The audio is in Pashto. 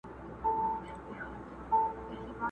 کرې شپه وایو سندري سپېدې وچوي رڼا سي.!